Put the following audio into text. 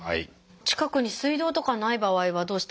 近くに水道とかない場合はどうしたらいいですか？